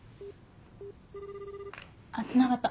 あっつながった。